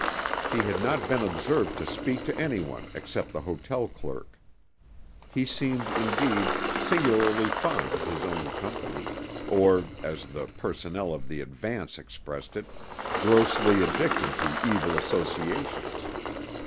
He had not been observed to speak to anyone except the hotel clerk. He seemed, indeed, singularly fond of his own company—or, as the personnel of the Advance expressed it, "grossly addicted to evil associations."